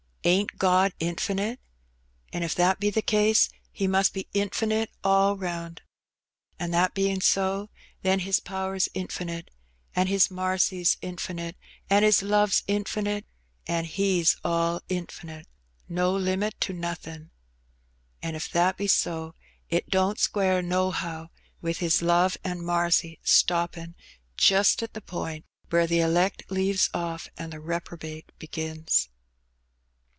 Ain't God infinite ? an' if that be the case He must be infinite 'all round.' An' that bein' so, then His power's infinite, an' His marcy's infinite, an* His love's infinite, an' He's all infinite. No limit to nothin'. An' if that be so, it don't square nohow with His love an' marcy stoppin' just at the point where the elect leaves oflF an' the repro bate begins."